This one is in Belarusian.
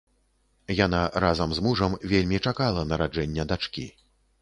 Яна разам з мужам вельмі чакала нараджэння дачкі.